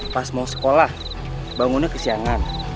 pas mau sekolah bangunnya kesiangan